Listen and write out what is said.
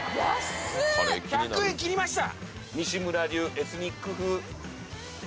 １００円切りました！